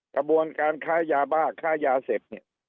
กระบวนการค่ายาบ้าค่ายาเสพ